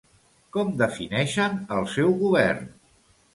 Com defineixen el seu govern?